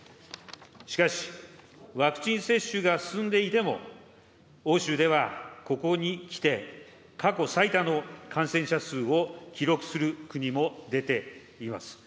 しかし、ワクチン接種が進んでいても、欧州ではここにきて、過去最多の感染者数を記録する国も出ています。